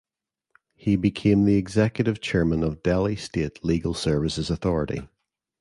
He became the Executive Chairman of Delhi State Legal Services Authority.